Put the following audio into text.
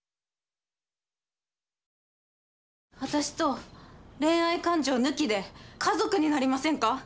私と恋愛感情抜きで家族になりませんか？